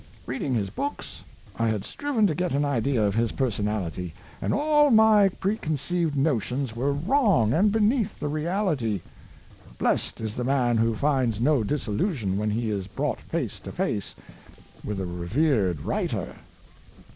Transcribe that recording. Reading his books, I had striven to get an idea of his personality, and all my preconceived notions were wrong and beneath the reality. Blessed is the man who finds no disillusion when he is brought face to face with a revered writer.